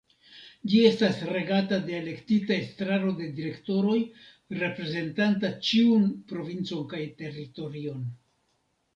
Ĝi estas regata de elektita Estraro de direktoroj reprezentanta ĉiun provincon kaj teritorion.